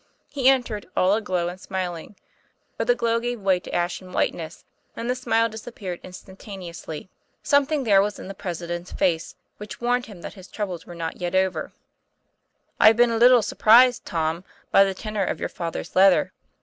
He entered all aglow and smiling, but the glow gave way to ashen whiteness and the smile disappeared instantane ously. Something there was in the President's face which warned him that his troubles were not yet over. 200 TOM PL A YFAIR. "I've been a little surprised, Tom, by the tenor of your father's letter.